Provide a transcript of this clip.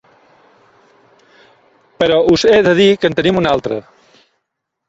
Però us he de dir que en tenim un altre.